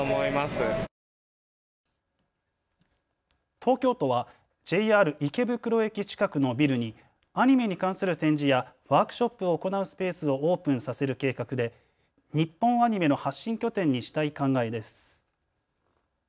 東京都はＪＲ池袋駅近くのビルにアニメに関する展示やワークショップを行うスペースをオープンさせる計画で日本アニメの発信拠点にしたい考えです。